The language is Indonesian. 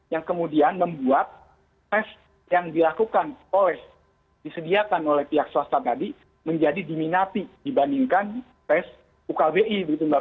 yang kemudian membuat tes yang dilakukan oleh disediakan oleh pihak swasta tadi menjadi diminati dibandingkan tes ukbi begitu mbak